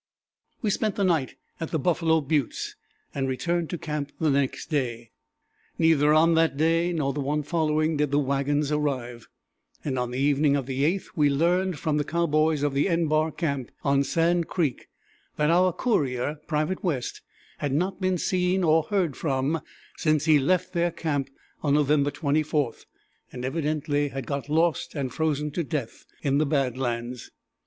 We spent the night at the Buffalo Buttes and returned to camp the next day. Neither on that day nor the one following did the wagons arrive, and on the evening of the 8th we learned from the cowboys of the =N= bar camp on Sand Creek that our courier, Private West, had not been seen or heard from since he left their camp on November 24, and evidently had got lost and frozen to death in the bad lands.